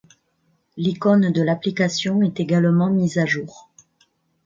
L'icône de l'application est également mise à jour.